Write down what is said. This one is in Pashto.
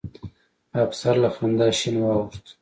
افسر له خندا شين واوښت.